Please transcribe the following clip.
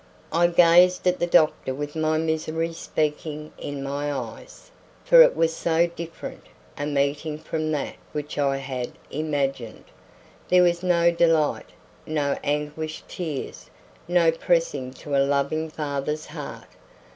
I gazed at the doctor with my misery speaking in my eyes, for it was so different a meeting from that which I had imagined. There was no delight, no anguished tears, no pressing to a loving father's heart.